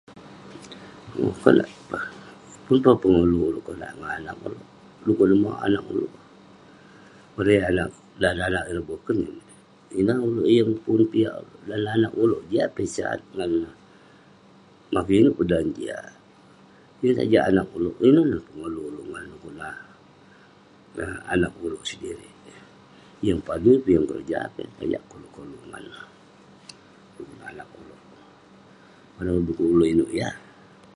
Owk, konak peh..pun peh pengoluk ulouk konak ngan anag ulouk, dukuk neh mauk anag ulouk..bareng eh anag, dan neh anag ireh boken, ineh ulouk yeng pun piak ulouk..dan neh anag ulouk, jiak peh eh sat, ngab neh..makin inouk peh dan neh jiak..yeng sajak anag ulouk, inen neh pengoluk ulouk ngan neh kuk nah anag ulouk sedirik, yeng padui peh eh, yeng keroja peh eh, sajak keh ulouk koluk ngan neh, kuk neh anag ulouk..bareng dukuk ulouk inouk yah